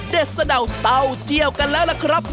สะเดาวเต้าเจียวกันแล้วล่ะครับ